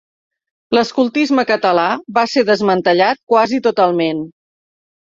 L'escoltisme català va ser desmantellat quasi totalment.